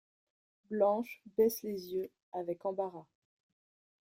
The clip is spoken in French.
Blanche baisse les yeux avec embarras.